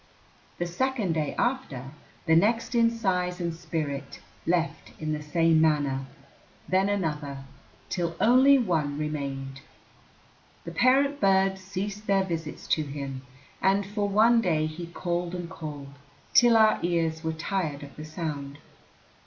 The second day after, the next in size and spirit left in the same manner; then another, till only one remained. The parent birds ceased their visits to him, and for one day he called and called till our ears were tired of the sound.